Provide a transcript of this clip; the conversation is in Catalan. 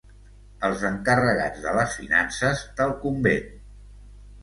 Els encarregats de les finances del convent.